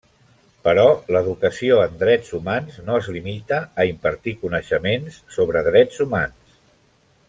Però l'educació en drets humans no es limita a impartir coneixements sobre drets humans.